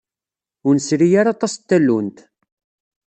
Ur nesri ara aṭas n tallunt.